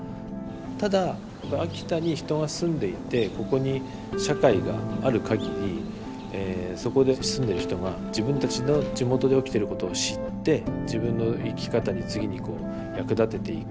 ただ秋田に人が住んでいてここに社会があるかぎりそこで住んでる人が自分たちの地元で起きてることを知って自分の生き方に次にこう役立てていく。